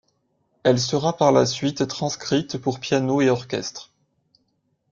Elle sera par la suite transcrite pour piano et orchestre.